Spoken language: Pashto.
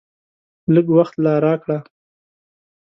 لږ وخت لا راکړه !